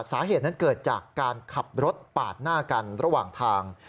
สาเหตุนั้นเกิดจากการขับรถปาดหน้ากันระหว่างทาง